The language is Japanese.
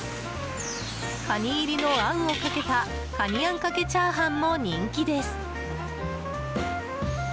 カニ入りのあんをかけたカニあんかけチャーハンも人気です。